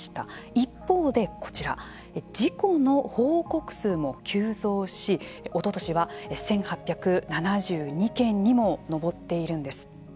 一方で、こちら事故の報告数も急増しおととしは１８７２件にも上っているんです。